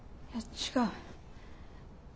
違う。